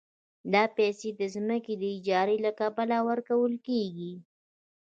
دا پیسې د ځمکې د اجارې له کبله ورکول کېږي